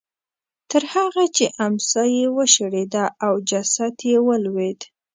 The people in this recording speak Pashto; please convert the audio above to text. تر هغې چې امسا یې وشړېده او جسد یې ولوېد.